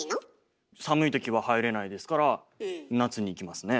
寒いときは入れないですから夏に行きますね。